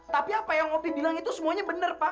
tapi apa yang opi bilang itu semuanya bener pak